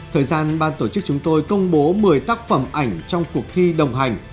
thời gian ban tổ chức chúng tôi công bố một mươi tác phẩm ảnh trong cuộc thi đồng hành